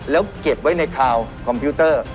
แล้วเก็บไว้ในคาวคอมพิวเตอร์